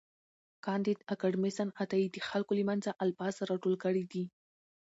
کانديد اکاډميسن عطايي د خلکو له منځه الفاظ راټول کړي دي.